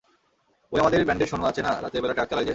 ঐ আমাদের ব্যান্ডের সনু আছে না, রাতের বেলা ট্রাক চালায় যে।